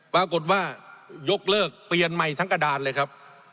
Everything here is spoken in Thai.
ปรากฏว่ายกเลิกเปลี่ยนใหม่ทั้งกระดานเลยครับ